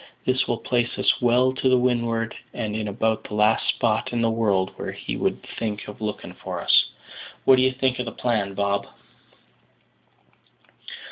This will place us well to windward, and in about the last spot in the world where he would think of looking for us. What do you think of the plan, Bob?"